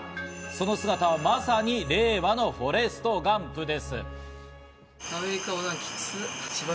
その姿はまさに令和のフォレスト・ガンプです。